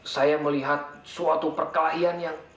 saya melihat suatu perkelahian yang